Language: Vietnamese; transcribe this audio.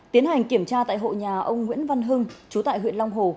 tiến hành kiểm tra tại hộ nhà ông nguyễn văn hưng chú tại huyện long hồ